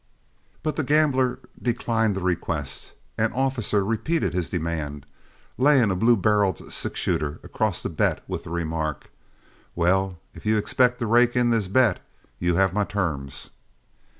But the gambler declined the request, and Officer repeated his demand, laying a blue barreled six shooter across the bet with the remark, "Well, if you expect to rake in this bet you have my terms."